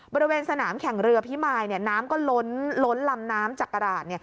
บริเวณสนามแข่งเรือพิมายน้ำก็ล้นลำน้ำจักราช